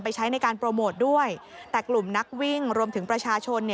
ใช้ในการโปรโมทด้วยแต่กลุ่มนักวิ่งรวมถึงประชาชน